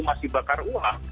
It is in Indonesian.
masih bakar uang